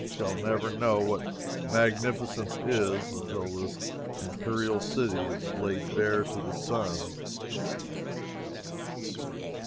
We shall never know what magnificence is, until this imperial city is laid bare to the sun.